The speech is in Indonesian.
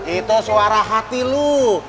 itu suara hati lu